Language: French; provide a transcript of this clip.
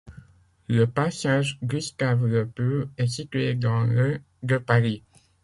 Le passage Gustave-Lepeu est situé dans le de Paris.